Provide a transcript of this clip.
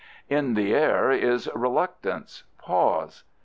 In the air is reluctance, pause.